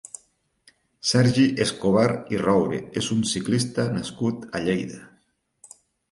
Sergi Escobar i Roure és un ciclista nascut a Lleida.